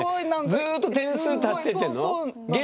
ずっと点数足してってんの？